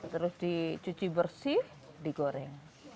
terus dicuci bersih digoreng